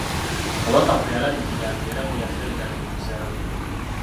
Kabaka mwe yalabikiranga era mwe yasaliranga emisango.